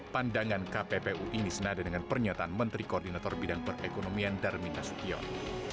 pandangan kppu ini senada dengan pernyataan menteri koordinator bidang perekonomian darmin nasution